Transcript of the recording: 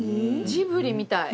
ジブリみたい。